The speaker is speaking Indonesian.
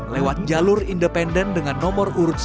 lewat jalur independen dengan nomor urut satu